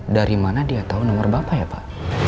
dari mana dia tahu nomor bapak ya pak